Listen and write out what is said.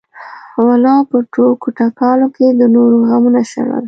ولو په ټوکو ټکالو کې د نورو غمونه شړل.